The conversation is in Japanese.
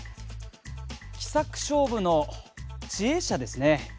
奇策勝負の知恵者ですね。